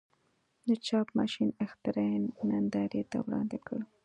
د چاپ ماشین اختراع یې نندارې ته وړاندې کړه.